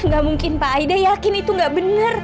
gak mungkin pak aida yakin itu gak bener